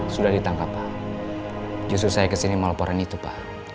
sudah ditangkap pak justru saya kesini melaporan itu pak